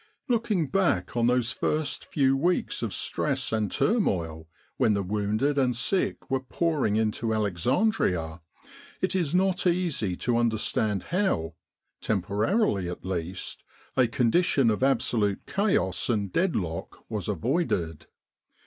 Looking back on those first few weeks of stress and turmoil, when the wounded and sick were pour ing into Alexandria, it is not easy to understand how, temporarily at least, a condition of*absolute chaos and deadlock was avoided.